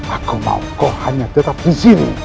aku mau kok hanya tetap di sini